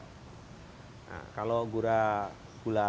nah kalau gula